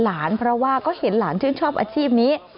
เพราะว่าก็เห็นหลานชื่นชอบอาชีพนี้